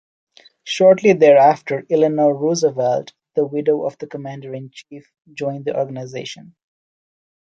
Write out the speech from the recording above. Shortly thereafter, Eleanor Roosevelt, the widow of the Commander-in-Chief, joined the organization.